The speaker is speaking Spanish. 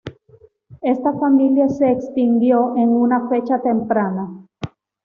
Esta familia se extinguió en una fecha temprana.